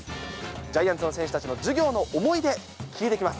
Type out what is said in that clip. ジャイアンツの選手たちの授業の思い出、聞いてきます。